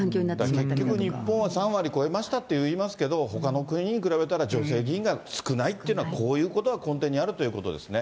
結局、日本は３割超えましたっていいますけど、ほかの国に比べたら、女性議員が少ないっていうのは、こういうことが根底にあるということですね。